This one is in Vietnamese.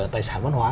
tài sản văn hóa